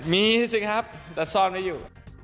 มีสิครับแต่ซ่อนไม่อยู่